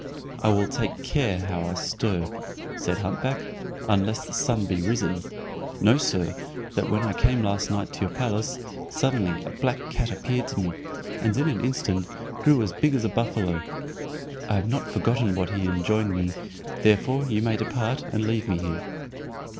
"I will take care how I stir," said hump back, "unless the sun be risen. Know, sir, that when I came last night to your palace, suddenly a black cat appeared to me, and in an instant grew as big as a buffalo. I have not forgotten what he enjoined me, therefore you may depart, and leave me here."